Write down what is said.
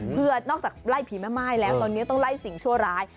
เพื่อนอกจากไล่ผีแม่ม่ายแล้วตอนนี้ต้องไล่สิ่งชั่วร้าย